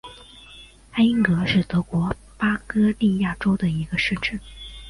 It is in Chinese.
艾因格是德国巴伐利亚州的一个市镇。